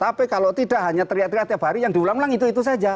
tapi kalau tidak hanya teriak teriak tiap hari yang diulang ulang itu itu saja